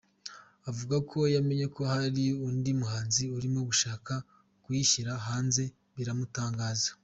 Avuga ko yamenye ko hari undi muhanzi urimo gushaka kuyishyira hanze biramutangaza.